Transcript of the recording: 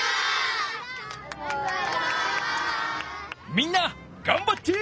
みんながんばって！